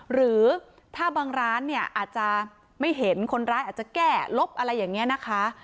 หรือถ้าบางร้านเนี่ยอาจจะไม่เห็นคนร้ายอาจจะแก้ลบอะไรอย่างนี้นะคะ